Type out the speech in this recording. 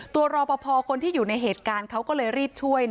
รอปภคนที่อยู่ในเหตุการณ์เขาก็เลยรีบช่วย